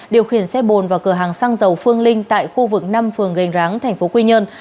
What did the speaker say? điều khiển xe bồn vào cửa hàng xăng dầu phương linh tại khu vực năm phường gành ráng tp quy nhơn